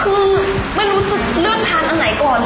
คือไม่รู้จะเลือกทานอันไหนก่อน